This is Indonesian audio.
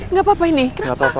aduh nggak apa apa ini kenapa